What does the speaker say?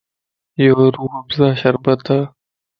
يو روح افزاء شربت ا